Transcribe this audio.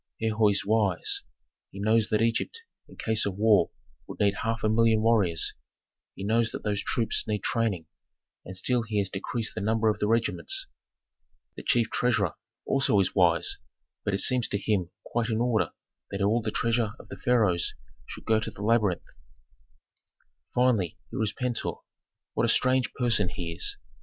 Herhor is wise: he knows that Egypt in case of war would need half a million of warriors; he knows that those troops need training, and still he has decreased the number of the regiments. "The chief treasurer also is wise, but it seems to him quite in order that all the treasure of the pharaohs should go to the labyrinth. "Finally here is Pentuer. What a strange person he is!